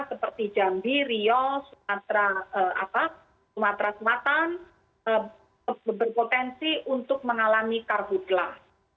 seperti jambi riau sumatera selatan berpotensi untuk mengalami karhutlah